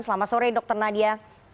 selamat sore dr nadia